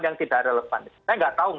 yang tidak relevan saya nggak tahu